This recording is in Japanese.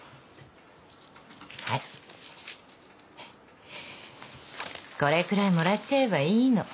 はいこれくらいもらっちゃえばいいの。